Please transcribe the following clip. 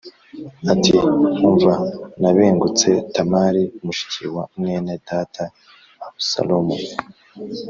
ati “Umva nabengutse Tamari mushiki wa mwene data Abusalomu.”